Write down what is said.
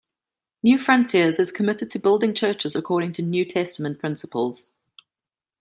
Newfrontiers is committed to building churches according to "New Testament principles.